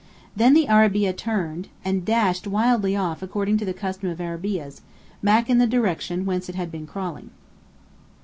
Then the arabeah turned, and dashed wildly off according to the custom of arabeahs, back in the direction whence it had been crawling.